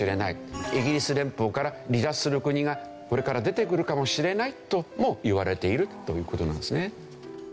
イギリス連邦から離脱する国がこれから出てくるかもしれないともいわれているという事なんですね。